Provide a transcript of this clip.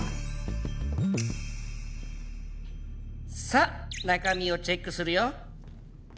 さあ中身をチェックするよ。